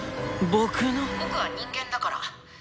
「僕は人間だから」。